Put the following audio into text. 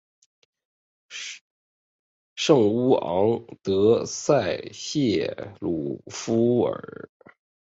圣乌昂德塞谢鲁夫尔。